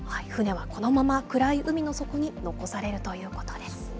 船はこのまま暗い海の底に残されるということです。